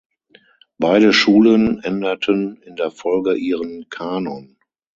Beide Schulen änderten in der Folge ihren Kanon.